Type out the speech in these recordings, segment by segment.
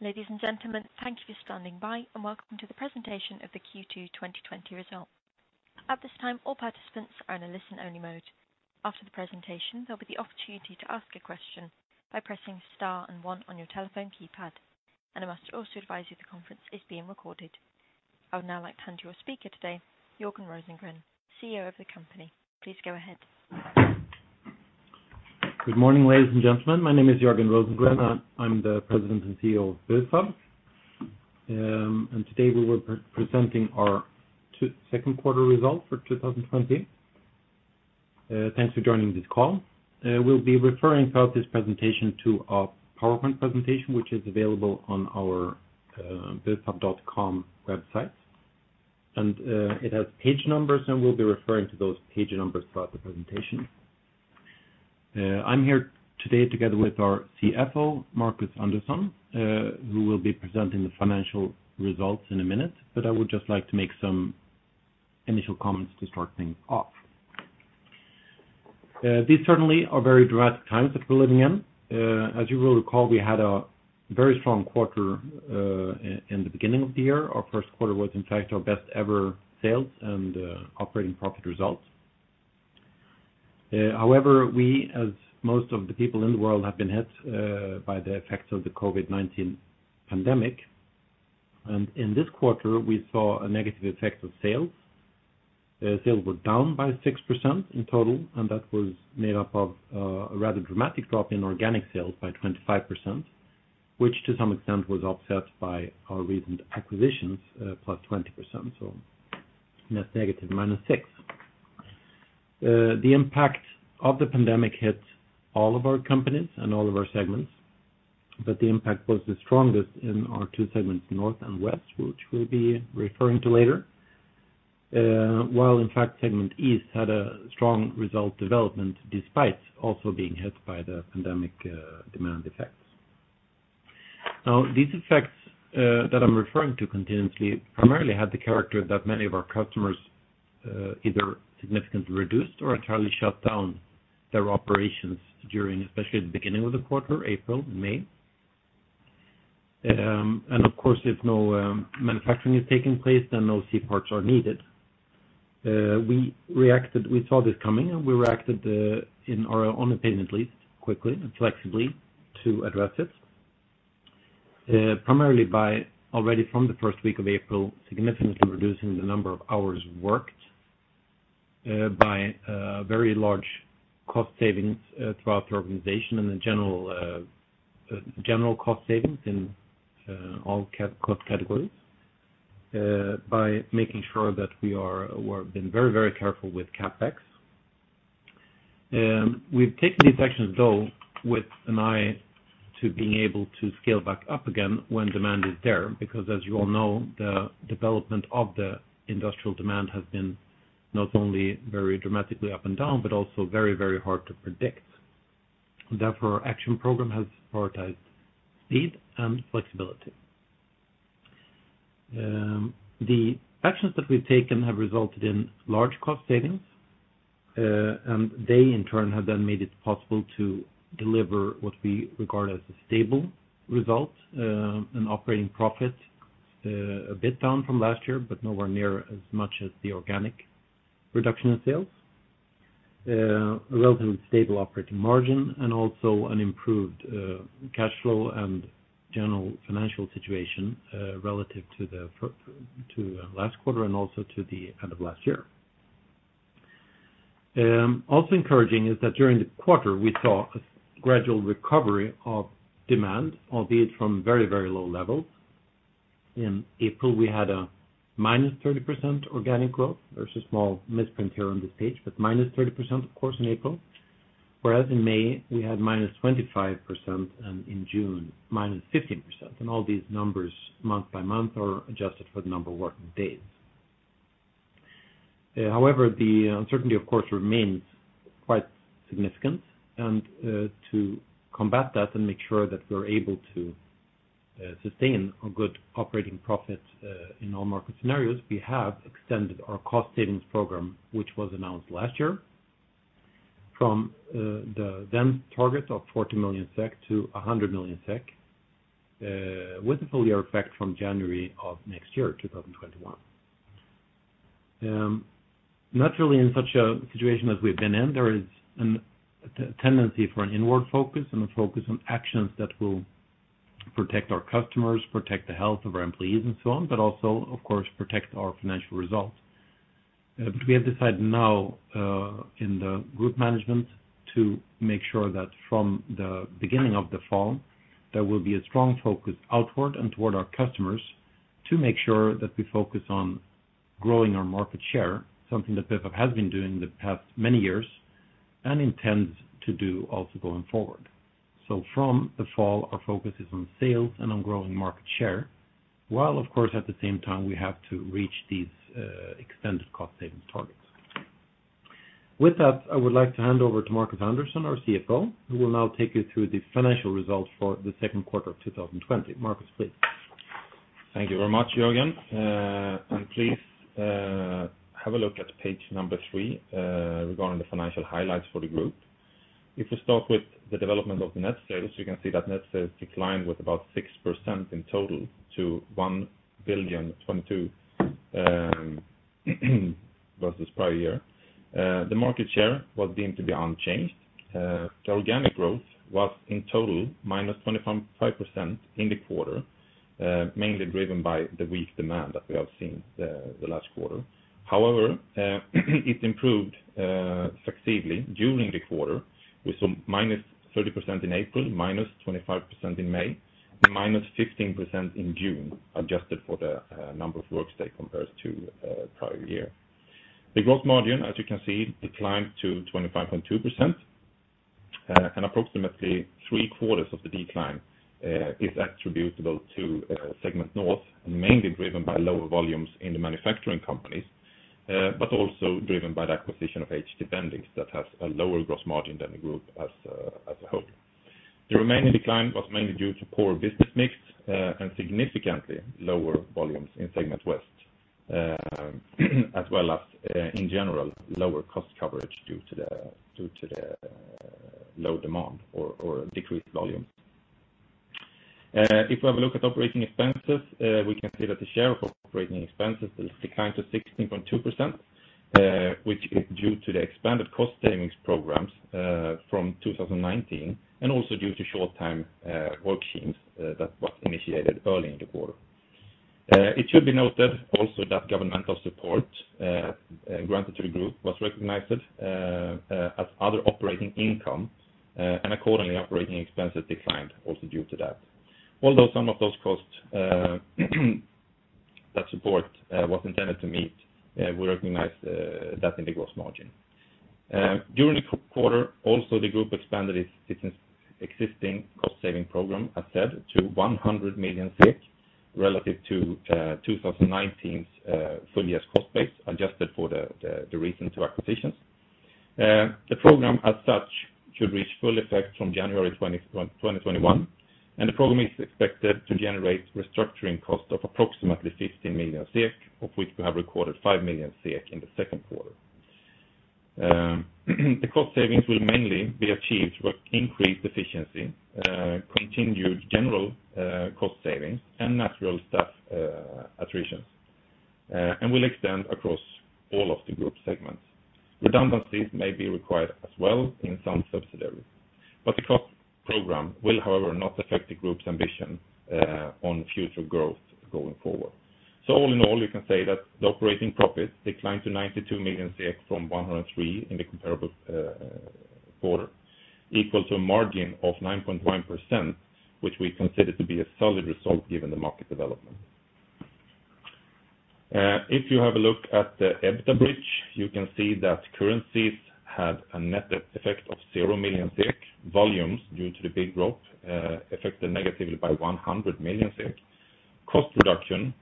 Ladies and gentlemen, thank you for standing by and welcome to the presentation of the Q2 2020 results. At this time, all participants are in a listen-only mode. After the presentation, there'll be the opportunity to ask a question by pressing star and one on your telephone keypad, and I must also advise you the conference is being recorded. I would now like to hand you our speaker today, Jörgen Rosengren, CEO of the company. Please go ahead. Good morning, ladies and gentlemen. My name is Jörgen Rosengren. I'm the President and CEO of Bufab, and today we were presenting our second quarter result for 2020. Thanks for joining this call. We'll be referring throughout this presentation to our PowerPoint presentation, which is available on our Bufab.com website, and it has page numbers, and we'll be referring to those page numbers throughout the presentation. I'm here today together with our CFO, Marcus Andersson, who will be presenting the financial results in a minute, but I would just like to make some initial comments to start things off. These certainly are very dramatic times that we're living in. As you will recall, we had a very strong quarter in the beginning of the year. Our first quarter was, in fact, our best-ever sales and operating profit results. However, we, as most of the people in the world, have been hit by the effects of the COVID-19 pandemic, and in this quarter, we saw a negative effect of sales. Sales were down by 6% in total, and that was made up of a rather dramatic drop in organic sales by 25%, which to some extent was offset by our recent acquisitions +20%, so net negative -6%. The impact of the pandemic hit all of our companies and all of our segments, but the impact was the strongest in our two segments, North and West, which we'll be referring to later. While in fact, in East had a strong result development despite also being hit by the pandemic demand effects. Now, these effects that I'm referring to continuously primarily had the character that many of our customers either significantly reduced or entirely shut down their operations during, especially at the beginning of the quarter, April and May, and of course, if no manufacturing is taking place, then no C-parts are needed. We saw this coming, and we reacted, in our own opinion at least, quickly and flexibly to address it, primarily by, already from the first week of April, significantly reducing the number of hours worked by very large cost savings throughout the organization and the general cost savings in all cost categories by making sure that we have been very, very careful with CapEx. We've taken these actions, though, with an eye to being able to scale back up again when demand is there because, as you all know, the development of the industrial demand has been not only very dramatically up and down but also very, very hard to predict. Therefore, our action program has prioritized speed and flexibility. The actions that we've taken have resulted in large cost savings, and they, in turn, have then made it possible to deliver what we regard as a stable result: an operating profit a bit down from last year but nowhere near as much as the organic reduction in sales, a relatively stable operating margin, and also an improved cash flow and general financial situation relative to last quarter and also to the end of last year. Also encouraging is that during the quarter, we saw a gradual recovery of demand, albeit from very, very low levels. In April, we had a -30% organic growth. There's a small misprint here on this page, but -30%, of course, in April, whereas in May, we had -25% and in June, -15%. And all these numbers, month by month, are adjusted for the number of working days. However, the uncertainty, of course, remains quite significant, and to combat that and make sure that we're able to sustain a good operating profit in all market scenarios, we have extended our cost savings program, which was announced last year, from the then target of 40 million-100 million SEK, with a full year effect from January of next year, 2021. Naturally, in such a situation as we've been in, there is a tendency for an inward focus and a focus on actions that will protect our customers, protect the health of our employees, and so on, but also, of course, protect our financial results. We have decided now in the group management to make sure that from the beginning of the fall, there will be a strong focus outward and toward our customers to make sure that we focus on growing our market share, something that Bufab has been doing the past many years and intends to do also going forward. So from the fall, our focus is on sales and on growing market share, while, of course, at the same time, we have to reach these extended cost savings targets. With that, I would like to hand over to Marcus Andersson, our CFO, who will now take you through the financial results for the second quarter of 2020. Marcus, please. Thank you very much, Jörgen, and please have a look at page number three regarding the financial highlights for the group. If we start with the development of the net sales, you can see that net sales declined with about 6% in total to 1.2 billion versus prior year. The market share was deemed to be unchanged. The organic growth was in total -25% in the quarter, mainly driven by the weak demand that we have seen the last quarter. However, it improved successively during the quarter. We saw -30% in April, -25% in May, and -15% in June, adjusted for the number of workdays compared to prior year. The gross margin, as you can see, declined to 25.2%, and approximately three-quarters of the decline is attributable to Segment North, mainly driven by lower volumes in the manufacturing companies but also driven by the acquisition of HT BENDIX that has a lower gross margin than the group as a whole. The remaining decline was mainly due to poor business mix and significantly lower volumes in Segment West, as well as, in general, lower cost coverage due to the low demand or decreased volumes. If we have a look at operating expenses, we can see that the share of operating expenses has declined to 16.2%, which is due to the expanded cost savings programs from 2019 and also due to short-time work schemes that were initiated early in the quarter. It should be noted also that governmental support granted to the group was recognized as other operating income, and accordingly, operating expenses declined also due to that. Although some of those costs that support was intended to meet, we recognized that in the gross margin. During the quarter, also, the group expanded its existing cost saving program, as said, to 100 million relative to 2019's full year's cost base, adjusted for the recent two acquisitions. The program, as such, should reach full effect from January 2021, and the program is expected to generate restructuring costs of approximately 15 million SEK, of which we have recorded 5 million SEK in the second quarter. The cost savings will mainly be achieved through increased efficiency, continued general cost savings, and natural staff attritions, and will extend across all of the group segments. Redundancies may be required as well in some subsidiaries, but the cost program will, however, not affect the group's ambition on future growth going forward. So all in all, you can say that the operating profits declined to 92 million from 103 million in the comparable quarter, equal to a margin of 9.1%, which we consider to be a solid result given the market development. If you have a look at the EBITDA bridge, you can see that currencies had a net effect of 0 million SEK. Volumes, due to the big drop, affected negatively by 100 million SEK. Cost reduction,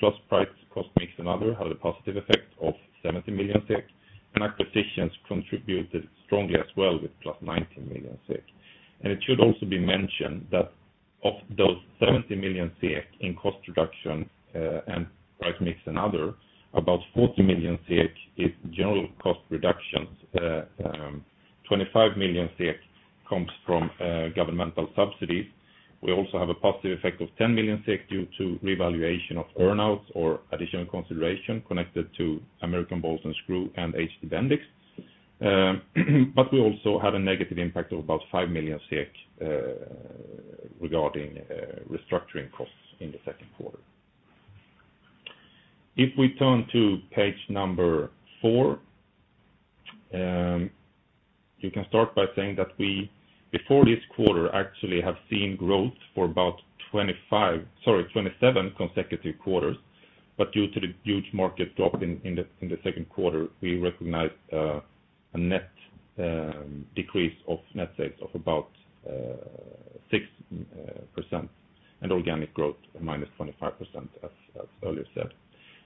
plus price cost mix and other, had a positive effect of 70 million SEK, and acquisitions contributed strongly as well with +19 million SEK. And it should also be mentioned that of those 70 million SEK in cost reduction, price mix, and other, about 40 million SEK is general cost reductions. 25 million SEK comes from governmental subsidies. We also have a positive effect of 10 million SEK due to revaluation of earnouts or additional consideration connected to American Bolt and Screw and HT BENDIX, but we also had a negative impact of about 5 million SEK regarding restructuring costs in the second quarter. If we turn to page number four, you can start by saying that we, before this quarter, actually have seen growth for about 27 consecutive quarters, but due to the huge market drop in the second quarter, we recognized a net decrease of net sales of about 6% and organic growth -25%, as earlier said.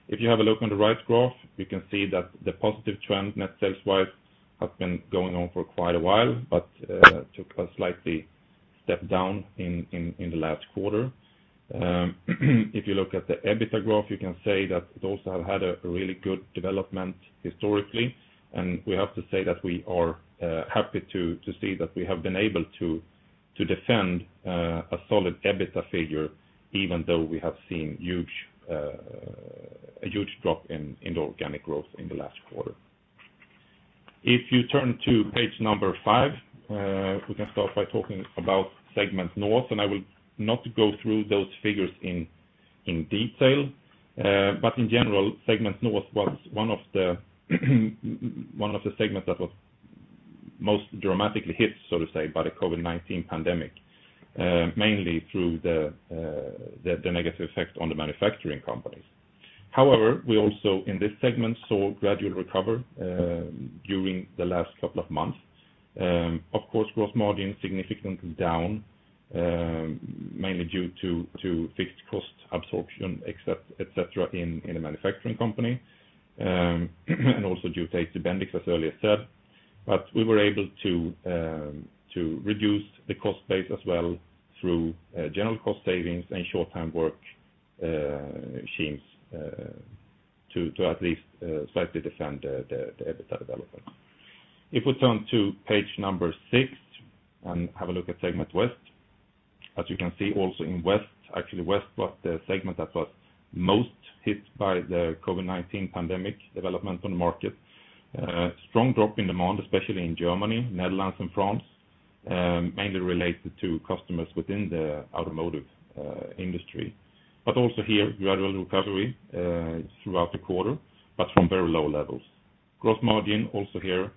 If you have a look on the right graph, you can see that the positive trend net sales-wise has been going on for quite a while but took a slight step down in the last quarter. If you look at the EBITDA graph, you can say that it also has had a really good development historically, and we have to say that we are happy to see that we have been able to defend a solid EBITDA figure even though we have seen a huge drop in the organic growth in the last quarter. If you turn to page number five, we can start by talking about Segment North, and I will not go through those figures in detail, but in general, Segment North was one of the segments that was most dramatically hit, so to say, by the COVID-19 pandemic, mainly through the negative effect on the manufacturing companies. However, we also, in this segment, saw gradual recovery during the last couple of months. Of course, gross margins significantly down, mainly due to fixed cost absorption, etc., in the manufacturing company, and also due to HT BENDIX, as earlier said, but we were able to reduce the cost base as well through general cost savings and short-time work schemes to at least slightly defend the EBITDA development. If we turn to page number six and have a look at Segment West, as you can see, also in West, actually, West was the segment that was most hit by the COVID-19 pandemic development on the market. Strong drop in demand, especially in Germany, Netherlands, and France, mainly related to customers within the automotive industry, but also here, gradual recovery throughout the quarter, but from very low levels. Gross margin also here,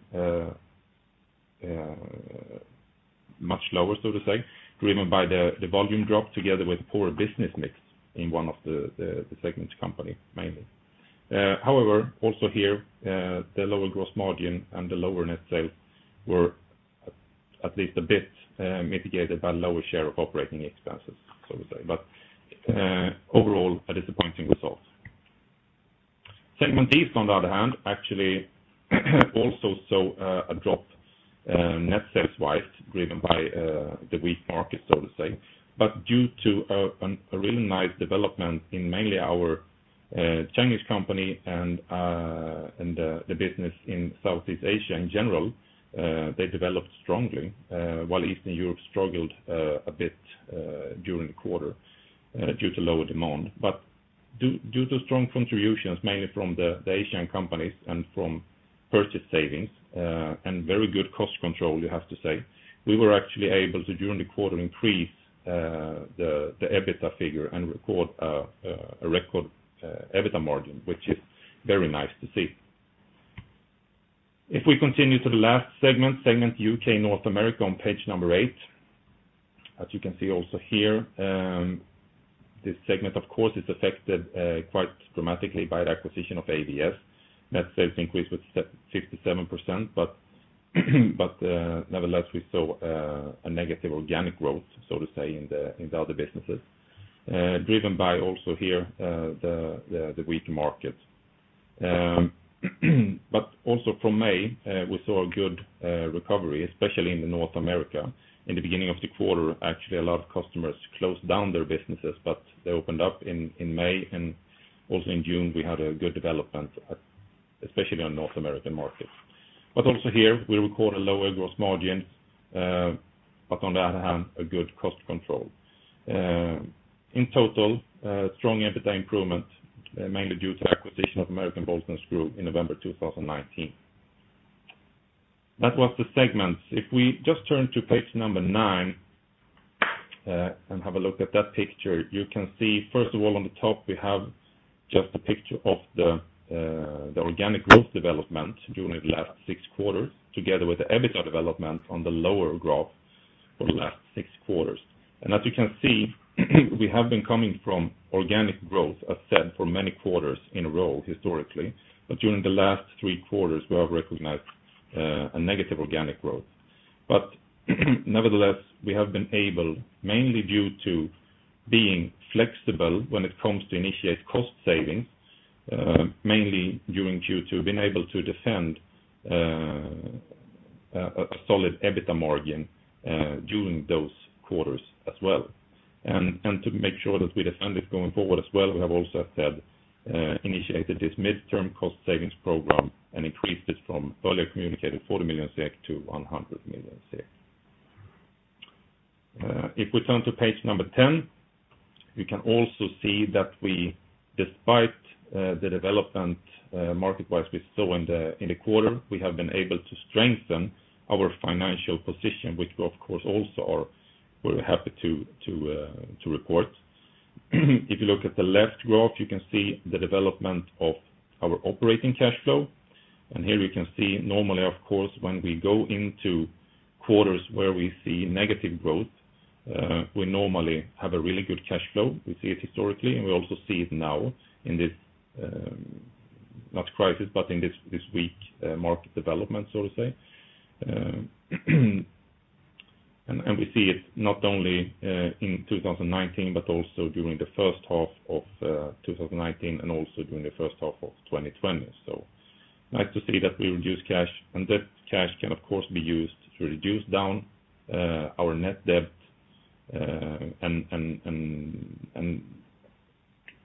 much lower, so to say, driven by the volume drop together with poor business mix in one of the segment companies, mainly. However, also here, the lower gross margin and the lower net sales were at least a bit mitigated by lower share of operating expenses, so to say, but overall, a disappointing result. Segment East, on the other hand, actually also saw a drop net sales-wise driven by the weak market, so to say, but due to a really nice development in mainly our Chinese company and the business in Southeast Asia in general, they developed strongly, while Eastern Europe struggled a bit during the quarter due to lower demand. But due to strong contributions, mainly from the Asian companies and from purchase savings and very good cost control, you have to say, we were actually able to, during the quarter, increase the EBITDA figure and record a record EBITDA margin, which is very nice to see. If we continue to the last segment, Segment UK/North America on page number eight, as you can see also here, this segment, of course, is affected quite dramatically by the acquisition of ABS. Net sales increased with 57%, but nevertheless, we saw a negative organic growth, so to say, in the other businesses, driven by also here the weak market. But also, from May, we saw a good recovery, especially in North America. In the beginning of the quarter, actually, a lot of customers closed down their businesses, but they opened up in May, and also in June, we had a good development, especially on North American markets, but also here, we recorded lower gross margins, but on the other hand, a good cost control. In total, strong EBITDA improvement, mainly due to the acquisition of American Bolt and Screw in November 2019. That was the segments. If we just turn to page number nine and have a look at that picture, you can see, first of all, on the top, we have just the picture of the organic growth development during the last six quarters together with the EBITDA development on the lower graph for the last six quarters. As you can see, we have been coming from organic growth, as said, for many quarters in a row historically, but during the last three quarters, we have recognized a negative organic growth. Nevertheless, we have been able, mainly due to being flexible when it comes to initiate cost savings, mainly due to being able to defend a solid EBITDA margin during those quarters as well. To make sure that we defend it going forward as well, we have also, as said, initiated this midterm cost savings program and increased it from earlier communicated 40 million-100 million SEK. If we turn to page number 10, you can also see that we, despite the development market-wise we saw in the quarter, we have been able to strengthen our financial position, which we, of course, also are very happy to report. If you look at the left graph, you can see the development of our operating cash flow, and here you can see, normally, of course, when we go into quarters where we see negative growth, we normally have a really good cash flow. We see it historically, and we also see it now in this not crisis, but in this weak market development, so to say, and we see it not only in 2019 but also during the first half of 2019 and also during the first half of 2020. Nice to see that we reduced cash, and that cash can, of course, be used to reduce down our net debt and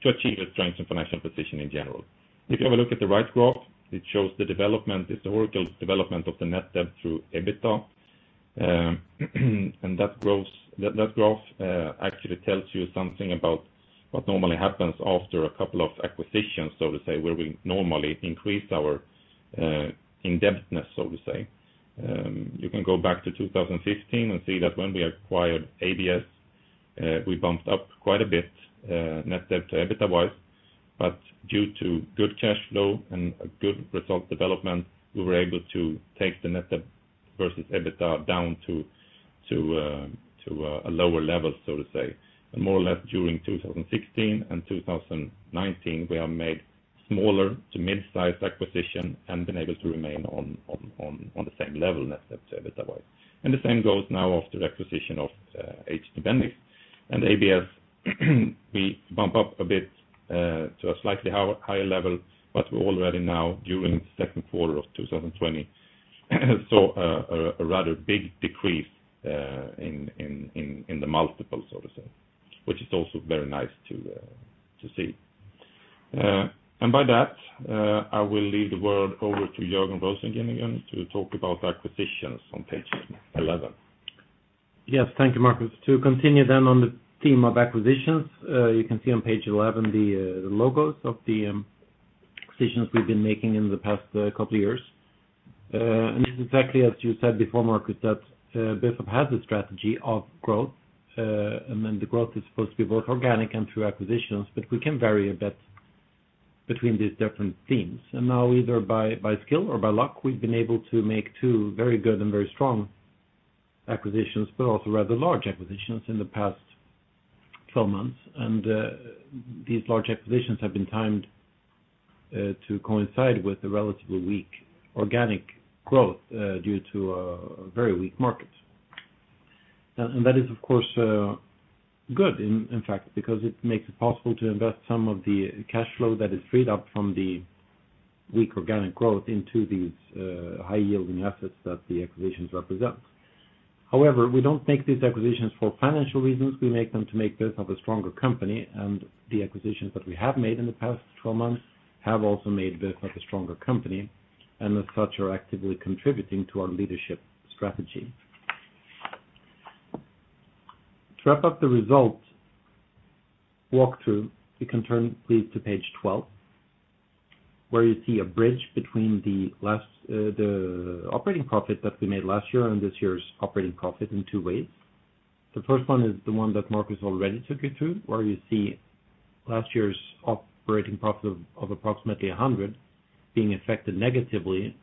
to achieve a strengthened financial position in general. If you have a look at the right graph, it shows the development, historical development of the net debt through EBITDA, and that graph actually tells you something about what normally happens after a couple of acquisitions, so to say, where we normally increase our indebtedness, so to say. You can go back to 2015 and see that when we acquired ABS, we bumped up quite a bit net debt to EBITDA-wise, but due to good cash flow and good result development, we were able to take the net debt versus EBITDA down to a lower level, so to say, and more or less, during 2016 and 2019, we have made smaller to mid-sized acquisition and been able to remain on the same level net debt to EBITDA-wise, and the same goes now after the acquisition of HT BENDIX. And ABS, we bump up a bit to a slightly higher level, but we already now, during the second quarter of 2020, saw a rather big decrease in the multiple, so to say, which is also very nice to see. And by that, I will leave the word over to Jörgen Rosengren, again, to talk about acquisitions on page 11. Yes. Thank you, Marcus. To continue then on the theme of acquisitions, you can see on page 11 the logos of the acquisitions we've been making in the past couple of years. And exactly as you said before, Marcus, that Bufab has a strategy of growth, and then the growth is supposed to be both organic and through acquisitions, but we can vary a bit between these different themes. And now, either by skill or by luck, we've been able to make two very good and very strong acquisitions, but also rather large acquisitions in the past 12 months. And these large acquisitions have been timed to coincide with the relatively weak organic growth due to a very weak market. And that is, of course, good, in fact, because it makes it possible to invest some of the cash flow that is freed up from the weak organic growth into these high-yielding assets that the acquisitions represent. However, we don't make these acquisitions for financial reasons. We make them to make Bufab a stronger company, and the acquisitions that we have made in the past 12 months have also made Bufab a stronger company, and as such, are actively contributing to our leadership strategy. To wrap up the results walkthrough, we can turn, please, to page 12, where you see a bridge between the operating profit that we made last year and this year's operating profit in two ways. The first one is the one that Marcus already took you through, where you see last year's operating profit of approximately 100 being affected negatively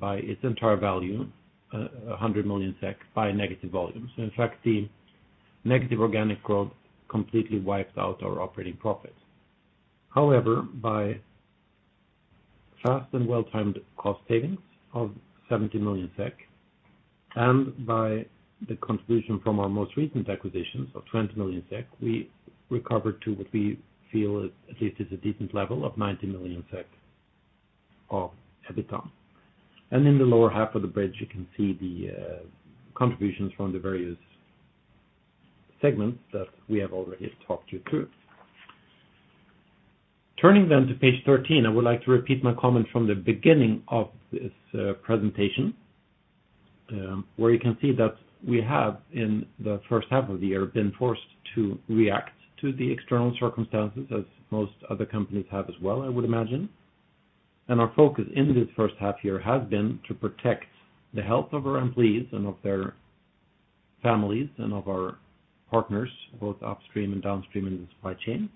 by its entire value, 100 million SEK, by negative volumes. In fact, the negative organic growth completely wiped out our operating profit. However, by fast and well-timed cost savings of 70 million SEK and by the contribution from our most recent acquisitions of 20 million SEK, we recovered to what we feel at least is a decent level of 90 million SEK of EBITDA, and in the lower half of the bridge, you can see the contributions from the various segments that we have already talked you through. Turning then to page 13, I would like to repeat my comment from the beginning of this presentation, where you can see that we have, in the first half of the year, been forced to react to the external circumstances, as most other companies have as well, I would imagine, and our focus in this first half year has been to protect the health of our employees and of their families and of our partners, both upstream and downstream in the supply chain.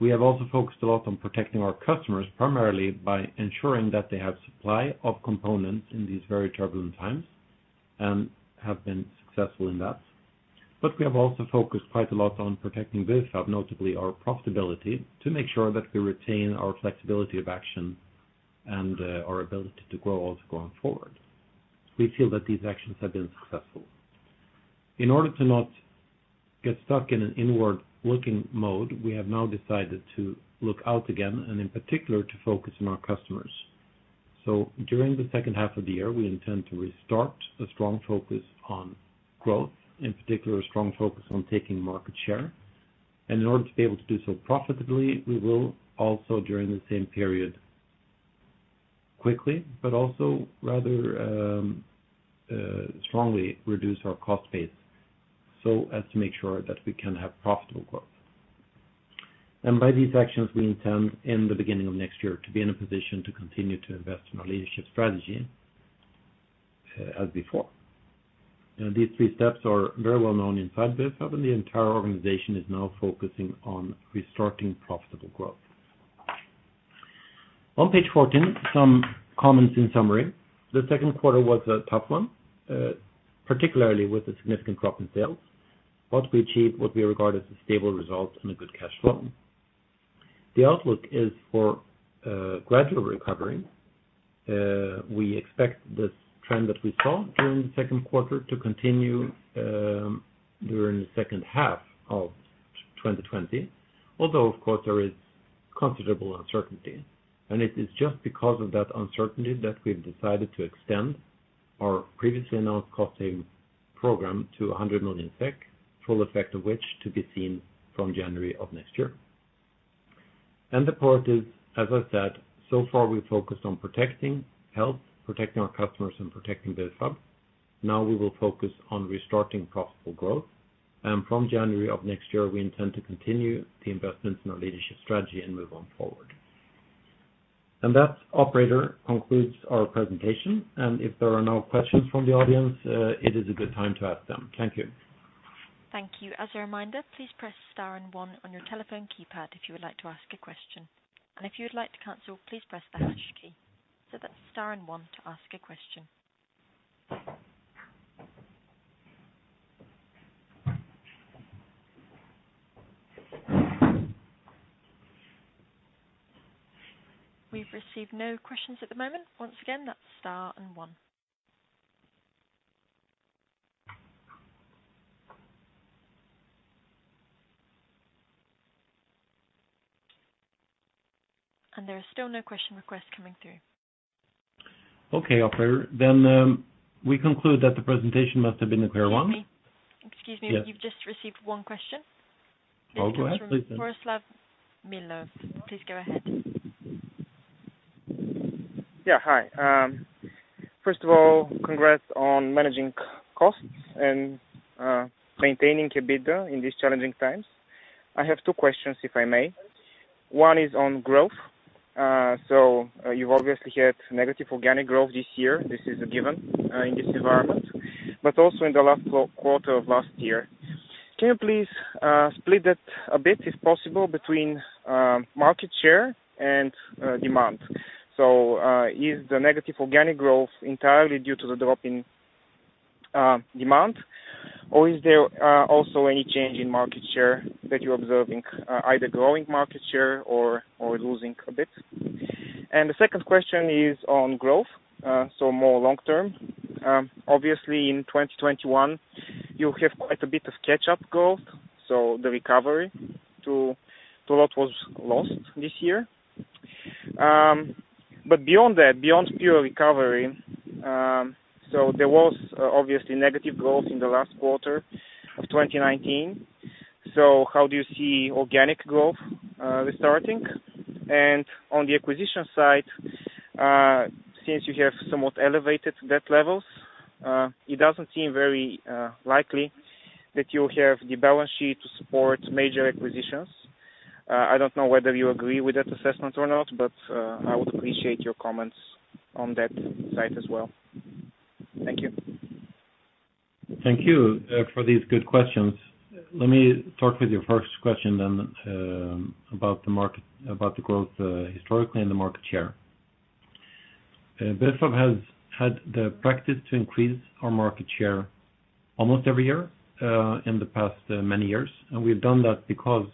We have also focused a lot on protecting our customers, primarily by ensuring that they have supply of components in these very turbulent times and have been successful in that, but we have also focused quite a lot on protecting Bufab, notably our profitability, to make sure that we retain our flexibility of action and our ability to grow also going forward. We feel that these actions have been successful. In order to not get stuck in an inward-looking mode, we have now decided to look out again and, in particular, to focus on our customers. So during the second half of the year, we intend to restart a strong focus on growth, in particular, a strong focus on taking market share. And in order to be able to do so profitably, we will also, during the same period, quickly, but also rather strongly, reduce our cost base so as to make sure that we can have profitable growth. And by these actions, we intend, in the beginning of next year, to be in a position to continue to invest in our leadership strategy as before. And these three steps are very well known inside Bufab, and the entire organization is now focusing on restarting profitable growth. On page 14, some comments in summary. The second quarter was a tough one, particularly with a significant drop in sales, but we achieved what we regard as a stable result and a good cash flow. The outlook is for gradual recovery. We expect this trend that we saw during the second quarter to continue during the second half of 2020, although, of course, there is considerable uncertainty, and it is just because of that uncertainty that we've decided to extend our previously announced cost-saving program to 100 million SEK, full effect of which to be seen from January of next year, and the part is, as I said, so far, we focused on protecting health, protecting our customers, and protecting Bufab. Now, we will focus on restarting profitable growth, and from January of next year, we intend to continue the investments in our leadership strategy and move on forward. And that, operator, concludes our presentation. And if there are no questions from the audience, it is a good time to ask them. Thank you. Thank you. As a reminder, please press star and one on your telephone keypad if you would like to ask a question. And if you would like to cancel, please press the hash key. So that's star and one to ask a question. We've received no questions at the moment. Once again, that's star and one. And there are still no question requests coming through. Okay, operator. Then we conclude that the presentation must have been a clear one. Excuse me. Excuse me. You've just received one question. Oh, go ahead, please. Borislav Milev, please go ahead. Yeah. Hi. First of all, congrats on managing costs and maintaining EBITDA in these challenging times. I have two questions, if I may. One is on growth. So you've obviously had negative organic growth this year. This is a given in this environment, but also in the last quarter of last year. Can you please split that a bit, if possible, between market share and demand? So is the negative organic growth entirely due to the drop in demand, or is there also any change in market share that you're observing, either growing market share or losing a bit? And the second question is on growth, so more long-term. Obviously, in 2021, you have quite a bit of catch-up growth, so the recovery to what was lost this year. But beyond that, beyond pure recovery, so there was obviously negative growth in the last quarter of 2019. So how do you see organic growth restarting? And on the acquisition side, since you have somewhat elevated debt levels, it doesn't seem very likely that you have the balance sheet to support major acquisitions. I don't know whether you agree with that assessment or not, but I would appreciate your comments on that side as well. Thank you. Thank you for these good questions. Let me start with your first question then about the growth historically and the market share. Bufab has had the practice to increase our market share almost every year in the past many years. And we've done that because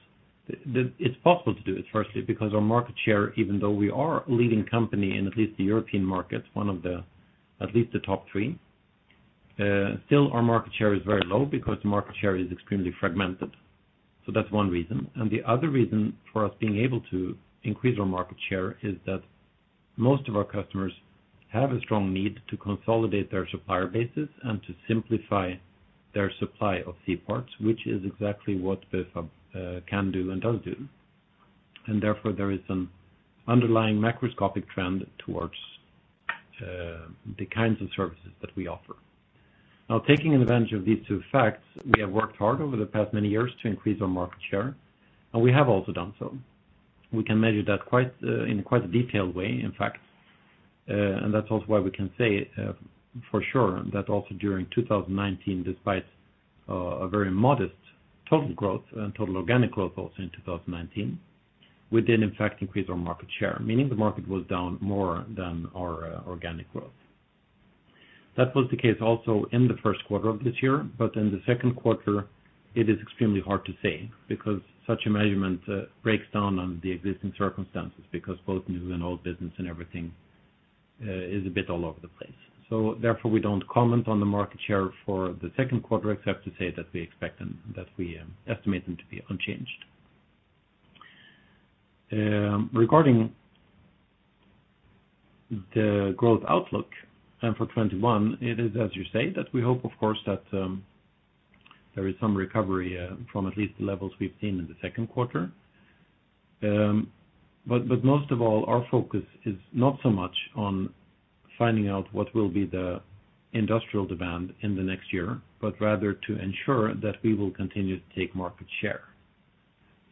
it's possible to do it, firstly, because our market share, even though we are a leading company in at least the European market, one of at least the top three, still our market share is very low because the market share is extremely fragmented. So that's one reason. And the other reason for us being able to increase our market share is that most of our customers have a strong need to consolidate their supplier bases and to simplify their supply of C-parts, which is exactly what Bufab can do and does do. And therefore, there is an underlying macroscopic trend towards the kinds of services that we offer. Now, taking advantage of these two facts, we have worked hard over the past many years to increase our market share, and we have also done so. We can measure that in quite a detailed way, in fact. And that's also why we can say for sure that also during 2019, despite a very modest total growth and total organic growth also in 2019, we did, in fact, increase our market share, meaning the market was down more than our organic growth. That was the case also in the first quarter of this year, but in the second quarter, it is extremely hard to say because such a measurement breaks down on the existing circumstances because both new and old business and everything is a bit all over the place, so therefore, we don't comment on the market share for the second quarter except to say that we expect and that we estimate them to be unchanged. Regarding the growth outlook for 2021, it is, as you say, that we hope, of course, that there is some recovery from at least the levels we've seen in the second quarter, but most of all, our focus is not so much on finding out what will be the industrial demand in the next year, but rather to ensure that we will continue to take market share.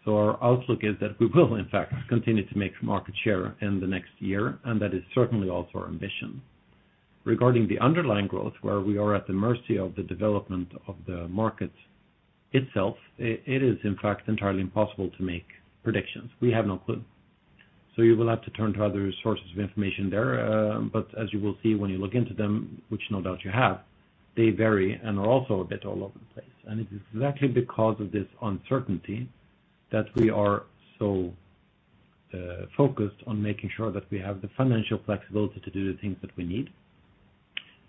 So our outlook is that we will, in fact, continue to make market share in the next year, and that is certainly also our ambition. Regarding the underlying growth, where we are at the mercy of the development of the market itself, it is, in fact, entirely impossible to make predictions. We have no clue. So you will have to turn to other sources of information there. But as you will see when you look into them, which no doubt you have, they vary and are also a bit all over the place. And it is exactly because of this uncertainty that we are so focused on making sure that we have the financial flexibility to do the things that we need.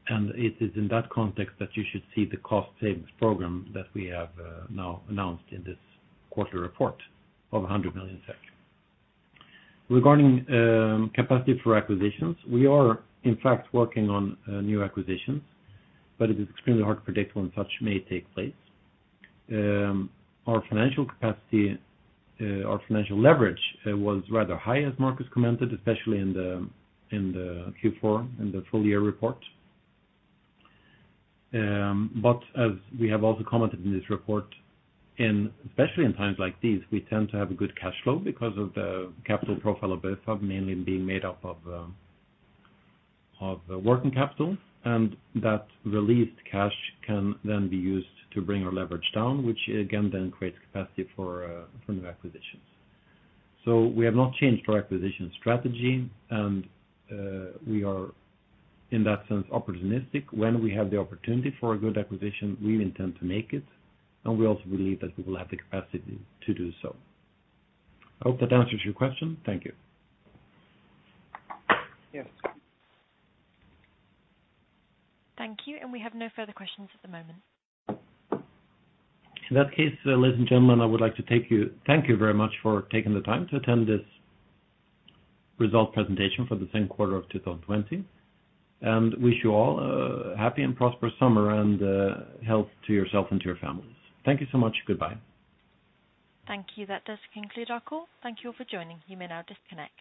And it is in that context that you should see the cost-savings program that we have now announced in this quarter report of 100 million SEK. Regarding capacity for acquisitions, we are, in fact, working on new acquisitions, but it is extremely hard to predict when such may take place. Our financial capacity, our financial leverage was rather high, as Marcus commented, especially in the Q4 in the full-year report. But as we have also commented in this report, especially in times like these, we tend to have a good cash flow because of the capital profile of Bufab, mainly being made up of working capital. And that released cash can then be used to bring our leverage down, which again then creates capacity for new acquisitions. So we have not changed our acquisition strategy, and we are, in that sense, opportunistic. When we have the opportunity for a good acquisition, we intend to make it, and we also believe that we will have the capacity to do so. I hope that answers your question. Thank you. Yes. Thank you, and we have no further questions at the moment. In that case, ladies and gentlemen, I would like to thank you very much for taking the time to attend this result presentation for the second quarter of 2020, and wish you all a happy and prosperous summer and health to yourself and to your families. Thank you so much. Goodbye. Thank you. That does conclude our call. Thank you all for joining. You may now disconnect.